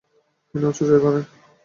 তিনি উচ জয় করেন।